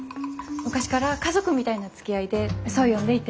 昔から家族みたいなつきあいでそう呼んでいて。